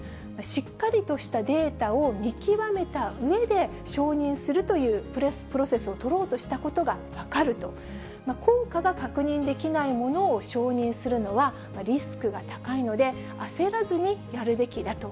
しっかりとしたデータを見極めたうえで、承認するというプロセスを取ろうとしたことが分かると、効果が確認できないものを承認するのはリスクが高いので、焦らずにやるべきだと。